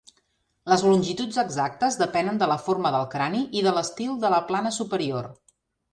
Les longituds exactes depenen de la forma del crani i de l'estil de la plana superior.